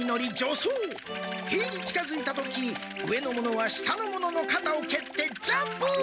へいに近づいた時上の者は下の者のかたをけってジャンプ！